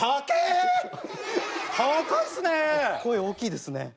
声大きいですね。